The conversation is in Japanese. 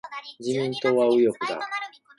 自民党は右翼だ。